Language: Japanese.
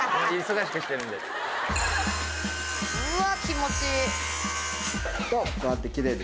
うわ気持ちいい。